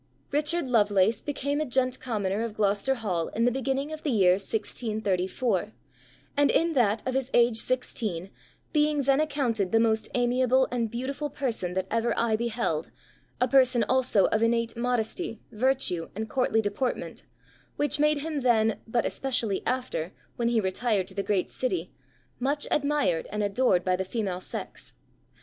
_] "Richard Lovelace ... became a gent commoner of Glo'cester Hall in the beginning of the year 1634, and in that of his age 16, being then accounted the most amiable and beautiful person that ever eye beheld, a person also of innate modesty, virtue, and courtly deportment, which made him then, but especially after, when he retired to the great city, much admired and adored by the female sex....